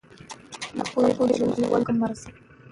د ښوونځي ټولنې ته د ملاتړ اړتیا لري.